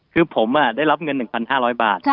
คือผมได้รับเงิน๑๕๐๐บาท